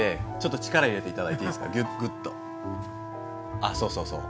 あっそうそうそう。